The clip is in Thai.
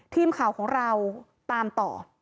ทีมข่าวของเราตามต่อ